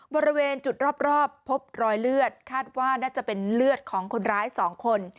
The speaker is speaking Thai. บริเวณจุดรอบพบรอยเลือดคาดว่าน่าจะเป็นเลือดของคนร้าย๒คน